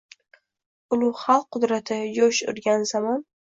Ulug‘ xalq qudrati jo‘sh urgan zamon